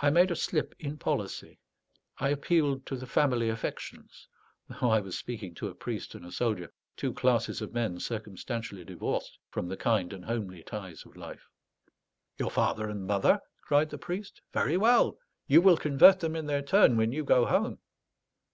I made a slip in policy; I appealed to the family affections, though I was speaking to a priest and a soldier, two classes of men circumstantially divorced from the kind and homely ties of life. "Your father and mother?" cried the priest. "Very well; you will convert them in their turn when you go home."